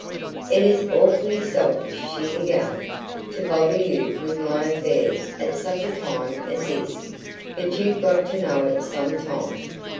"It is awfully selfish," she began, "to bother you with my affairs at such a time as this, but you've got to know it some time.